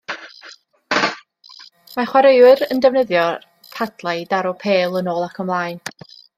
Mae chwaraewyr yn defnyddio'r padlau i daro pêl yn ôl ac ymlaen.